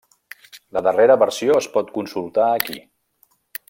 La darrera versió es pot consultar aquí.